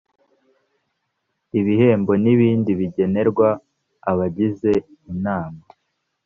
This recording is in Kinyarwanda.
ibihembo n’ibindi bigenerwa abagize inama